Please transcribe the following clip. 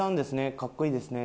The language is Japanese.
かっこいいですね」。